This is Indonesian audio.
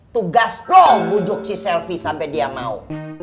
tugas lo bujuk si selvi sampe dia mau